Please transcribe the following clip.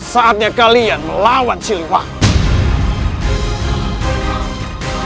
saatnya kalian melawan siliwangi